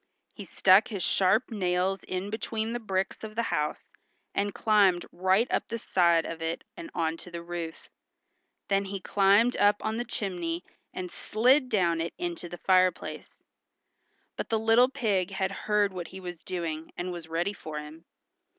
He stuck his sharp nails in between the bricks of the house and climbed right up the side of it and onto the roof. Then he climbed up on the chimney and slid down it into the fire place. But the little pig had heard what he was doing, and was ready for him.